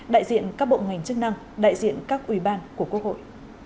đại diện các bộ ngành chức năng đại diện các ủy ban của quốc hội